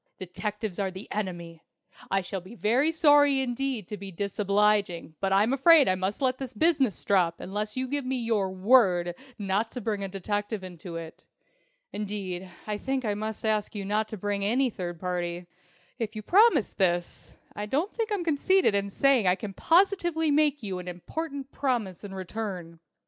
Detectives are the Enemy! I shall be very sorry indeed to be disobliging, but I'm afraid I must let this business drop unless you give me your word not to bring a detective into it. Indeed, I think I must ask you not to bring in any third party. If you promise this, I don't think I'm conceited in saying I can positively make you an important promise in return.